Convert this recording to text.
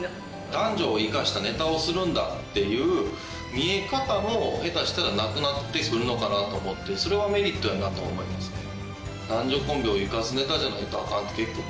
男女を生かしたネタをするんだっていう見え方も下手したらなくなってくるのかなと思ってそれはメリットやなと思いますね。